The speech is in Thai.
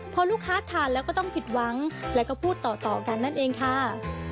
พอลูกค้าทานแล้วก็ต้องผิดหวังและก็พูดต่อกันนั่นเองค่ะ